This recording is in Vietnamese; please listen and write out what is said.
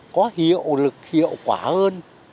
có hiệu lực hiệu quả hơn